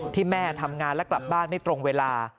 แม่ทำงานและกลับบ้านไม่ตรงเวลา